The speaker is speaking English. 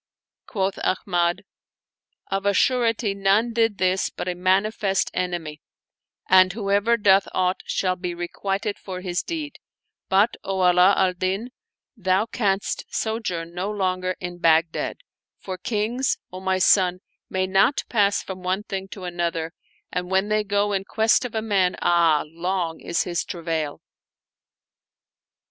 Quoth Ahmad, " Of a surety none did this but a manifest enemy, and whoever doth aught shall be requited for his deed; but, O Ala al Din, thou canst sojourn no longer in Baghdad, for Kings, O my son, may not pass from one thing to another, and when they go in quest of a man, ah ! long is his travail."